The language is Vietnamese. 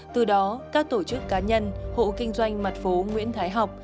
từ đó các tổ chức cá nhân hộ kinh doanh mặt phố nguyễn thái học